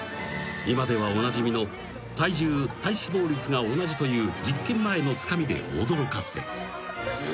［今ではおなじみの体重体脂肪率が同じという実験前のつかみで驚かせ］